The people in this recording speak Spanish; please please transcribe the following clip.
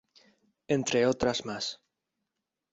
Entre otras más.